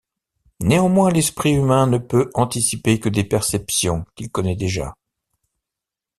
Néanmoins, l'esprit humain ne peut anticiper que des perceptions qu'il connaît déjà.